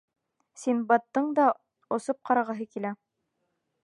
Синдбадтың да осоп ҡарағыһы килә.